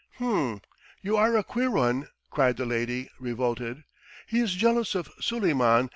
"H'm! ... you are a queer one!" cried the lady, revolted. "He is jealous of Suleiman!